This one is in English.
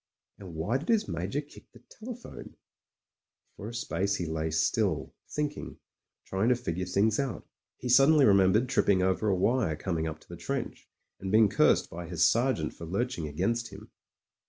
And why did his Major kick the telephone? ... For a space he lay still, thinking; trying to figure things out. He suddenly remembered tripping over a wire coming up to the trench, and being cursed by his sergeant for lurching against him.